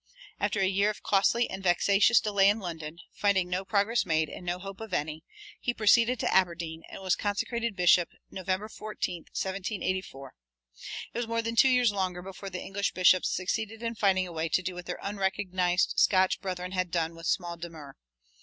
After a year of costly and vexatious delay in London, finding no progress made and no hope of any, he proceeded to Aberdeen and was consecrated bishop November 14, 1784. It was more than two years longer before the English bishops succeeded in finding a way to do what their unrecognized Scotch brethren had done with small demur.